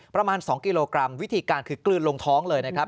ประมาณ๒กิโลกรัมวิธีการคือกลืนลงท้องเลยนะครับ